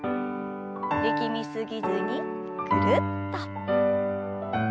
力み過ぎずにぐるっと。